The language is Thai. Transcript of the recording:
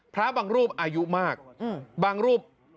พระบางรูปอายุมากบางรูป